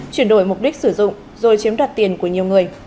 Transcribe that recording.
chuyển đổi mục đích sử dụng rồi chiếm đoạt tiền của nhiều người